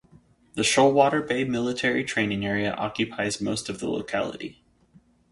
The Shoalwater Bay Military Training Area occupies most of the locality.